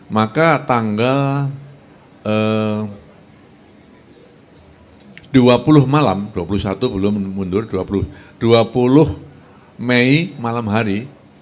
maka tanggal dua puluh malam dua puluh satu belum mundur dua puluh mei malam hari